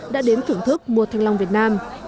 đã đến thưởng thức mua thanh long việt nam